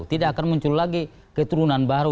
tidak akan muncul lagi keturunan baru